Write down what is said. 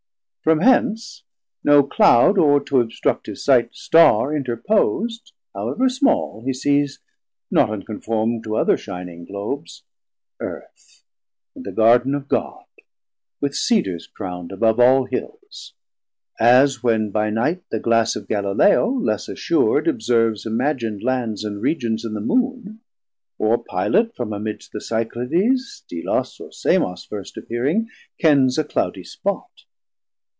From hence, no cloud, or, to obstruct his sight, Starr interpos'd, however small he sees, Not unconform to other shining Globes, Earth and the Gard'n of God, with Cedars crownd 260 Above all Hills. As when by night the Glass Of Galileo, less assur'd, observes Imagind Lands and Regions in the Moon: Or Pilot from amidst the Cyclades Delos or Samos first appeering kenns A cloudy spot.